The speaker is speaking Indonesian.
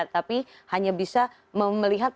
tapi hanya bisa melihat